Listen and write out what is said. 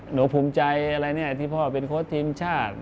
หนูภูมิใจอะไรเนี่ยที่พ่อเป็นโค้ชทีมชาติ